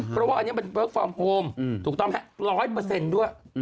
เพราะว่าอันนี้เปิ๊กฟอร์มโฮมถูกต้องไหมร้อยเปอร์เซ็นต์ด้วย